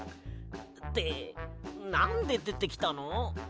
ってなんででてきたの？